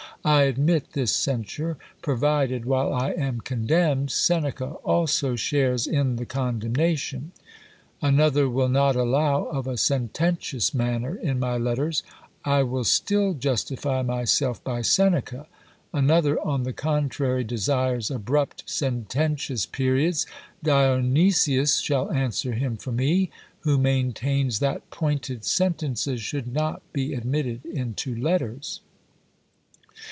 I admit this censure, provided, while I am condemned, Seneca also shares in the condemnation. Another will not allow of a sententious manner in my letters; I will still justify myself by Seneca. Another, on the contrary, desires abrupt sententious periods; Dionysius shall answer him for me, who maintains that pointed sentences should not be admitted into letters.